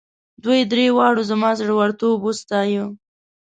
دوی دریو واړو زما زړه ورتوب وستایه.